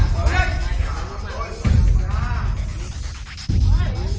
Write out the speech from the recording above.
โปรดติดตามตอนต่อไป